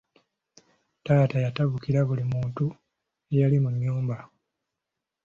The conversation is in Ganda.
Taata yatabukira buli muntu eyali mu nnyumba.